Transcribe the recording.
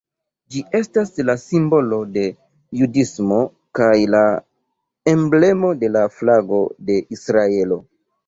Ĝi estas la simbolo de judismo kaj la emblemo de la flago de Israelo.